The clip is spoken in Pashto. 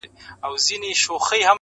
نه د عقل پوهي ګټه را رسېږي-